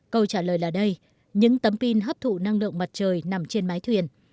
câu trả lời là đây những tấm pin hấp thụ năng lượng mặt trời nằm trên máy thuyền